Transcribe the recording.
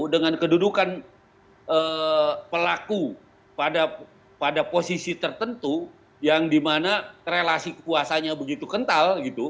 dengan kedudukan pelaku pada posisi tertentu yang di mana relasi kekuasanya begitu kental gitu